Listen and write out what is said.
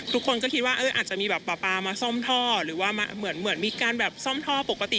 ทุกคนก็คิดว่าอาจจะมีแบบปลาปลามาซ่อมท่อหรือว่าเหมือนมีการแบบซ่อมท่อปกติ